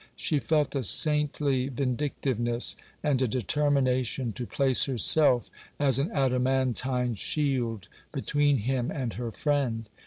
She felt a saintly vindictiveness, and a determination to place herself as an adamantine shield between him and her friend.